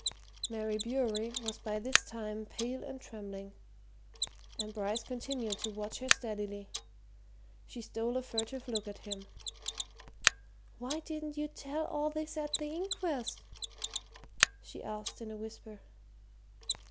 Mary Bewery was by this time pale and trembling and Bryce continued to watch her steadily. She stole a furtive look at him. "Why didn't you tell all this at the inquest?" she asked in a whisper.